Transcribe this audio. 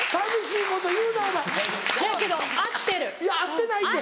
いや合ってないって。